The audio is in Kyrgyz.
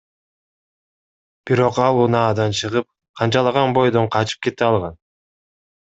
Бирок ал унаадан чыгып, канжалаган бойдон качып кете алган.